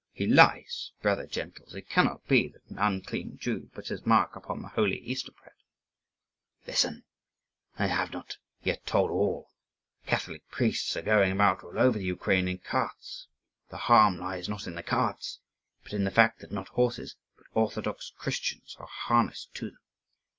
"He lies, brother gentles. It cannot be that an unclean Jew puts his mark upon the holy Easter bread." "Listen! I have not yet told all. Catholic priests are going about all over the Ukraine in carts. The harm lies not in the carts, but in the fact that not horses, but orthodox Christians (1), are harnessed to them.